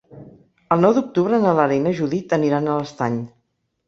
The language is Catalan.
El nou d'octubre na Lara i na Judit aniran a l'Estany.